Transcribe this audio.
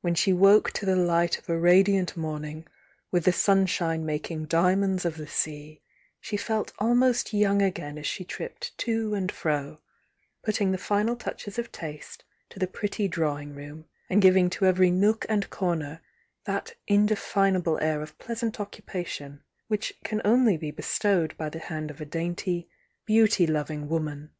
When she woke to the light of a radiant morning, with the sunshine mak ing diamonds of the sea, she felt almost young again as she tripped to and fro, putting the final touches of taste to the pretty draw'ng room, and giving to every nook and corner that indefinable air of pleas ant occupation which can only be bestowed by the hand of a dainty, beauty loving woman.